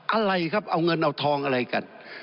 อะไรครับเอาเงินเอาทองอะไรกัน